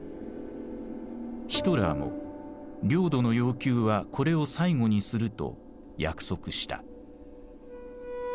ヒトラーも領土の要求はこれを最後にすると約束した。